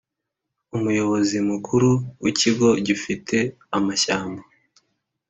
Umuyobozi Mukuru w Ikigo gifite amashyamba